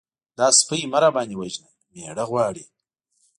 _دا سپۍ مه راباندې وژنه! مېړه غواړي.